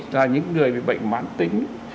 là những người bị bệnh mán tính